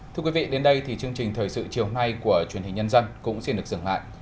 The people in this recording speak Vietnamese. thưa quý vị đến đây thì chương trình thời sự chiều nay của truyền hình nhân dân cũng xin được dừng lại